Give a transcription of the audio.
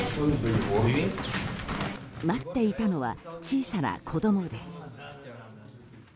待っていたのは小さな子供です。